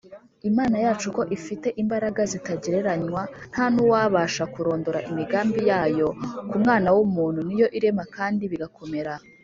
Imana yacu ko ifite imbaraga zitagereranywa ntanuwabasha kurondora imigambi yayo ku mwana w’umuntu niyo irema kandi bigakomera.